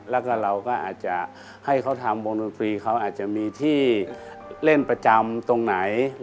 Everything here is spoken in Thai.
แล้วก็เราก็อาจจะให้เขาทำวงดนตรีเขาอาจจะมีที่เล่นประจำตรงไหน